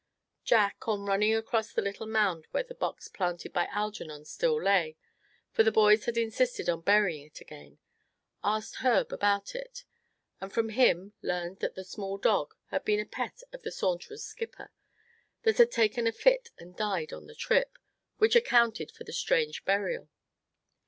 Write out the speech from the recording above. Jack, on running across the little mound where the box planted by Algernon still lay, for the boys had insisted on burying it again, asked Herb about it, and from him learned that the small dog had been a pet of the Saunterer's skipper, that had taken a fit, and died on the trip, which accounted for the strange burial.